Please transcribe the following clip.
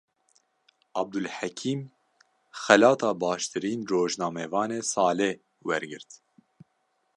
Abdulhekîm, xelata baştirîn rojnamevanê salê wergirt